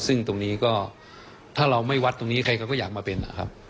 ซึ่งตรงนี้ก็ถ้าเราไม่วัดตรงนี้ใครเขาก็อยากมาเป็นนะครับ